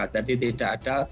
jadi tidak ada